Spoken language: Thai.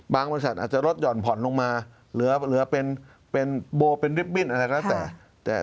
บริษัทอาจจะลดห่อนผ่อนลงมาเหลือเป็นโบเป็นริบบิ้นอะไรแล้วแต่